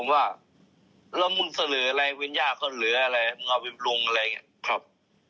ว่าแล้วมึงจะเหลืออะไรยังรึอะไรมึงเอาไปปืนลุงอะไรนะครับ